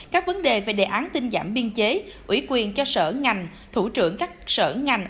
các vấn đề về đề án tinh giảm biên chế ủy quyền cho sở ngành thủ trưởng các sở ngành